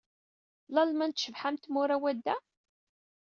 Lalman tecbeḥ am Tmura n Wadda?